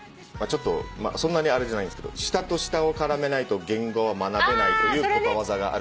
そんなにあれじゃないんですけど舌と舌を絡めないと言語は学べないということわざがある。